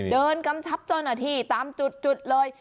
เดินกำชับจนนาทีตามจุดเลย